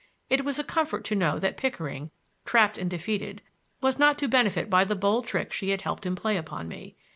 It was a comfort to know that Pickering, trapped and defeated, was not to benefit by the bold trick she had helped him play upon me.